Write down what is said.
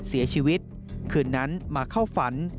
เสียชีวิตคืนนั้นมาเข้าฝัน